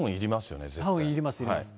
ダウンいります、いります。